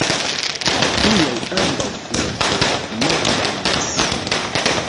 Tiel ambaŭ flankoj malgajnas.